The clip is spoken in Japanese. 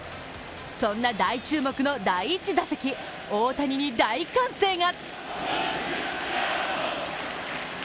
そんな大注目の第１打席、大谷に大歓声が。